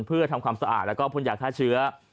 เพื่อทำความสะอาดแล้วก็พ่นยาฆ่าเชื้อ